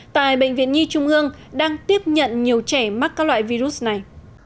tại bệnh viện nhi trung ương đang tiếp nhận nhiều trẻ mắc các loại virus này